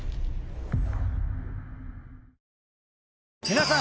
皆さん